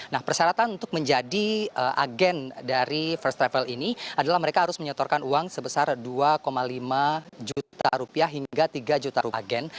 nah persyaratan untuk menjadi agen dari first travel ini adalah mereka harus menyotorkan uang sebesar dua lima juta rupiah hingga tiga juta rupiah